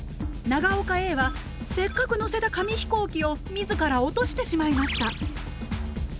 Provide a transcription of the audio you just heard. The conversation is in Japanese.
長岡Ａはせっかくのせた紙飛行機を自ら落としてしまいました。